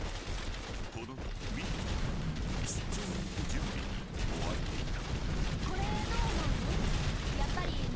［この日ミリアムは出張に行く準備に追われていた］